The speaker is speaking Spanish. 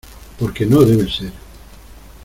porque no debe ser.